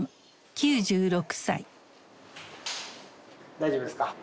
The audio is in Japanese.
大丈夫ですか？